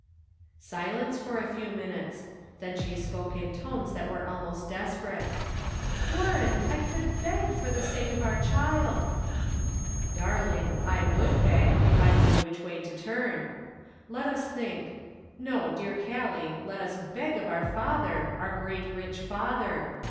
.' Silence for a few minutes ; then she spoke in tones that were almost desperate : "Warren, I could leg for the sake of our child." " Darling, I would beg, if I knew which way to turn. Let us think ; no, dear Gallic, let us beg of our Father, our great rich Father.